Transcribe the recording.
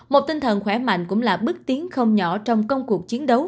một tinh thần khỏe mạnh cũng là bước tiến không nhỏ trong công cuộc chiến đấu